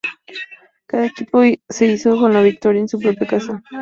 Cada equipo se hizo con la victoria en su propia casa.